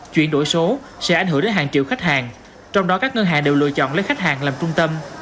chuyển đổi số sẽ ảnh hưởng đến hàng triệu khách hàng trong đó các ngân hàng đều lựa chọn lấy khách hàng làm trung tâm